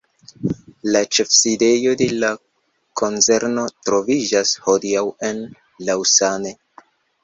La ĉefsidejo de la konzerno troviĝas hodiaŭ en Lausanne.